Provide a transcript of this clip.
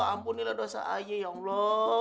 ampunilah dosa aja ya allah